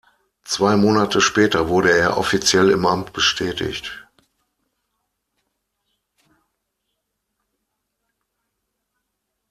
Zwei Monate später wurde er offiziell im Amt bestätigt.